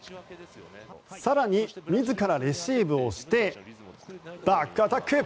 更に、自らレシーブをしてバックアタック。